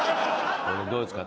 どうですか？